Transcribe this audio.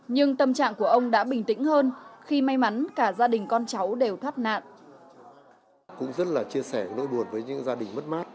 nhưng tâm trạng của ông đã bình tĩnh hơn khi may mắn cả gia đình con cháu đều thoát nạn